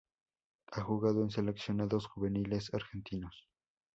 Ha jugado en seleccionados juveniles argentinos.